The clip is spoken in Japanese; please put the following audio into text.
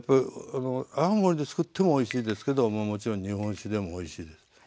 泡盛でつくってもおいしいですけどももちろん日本酒でもおいしいです。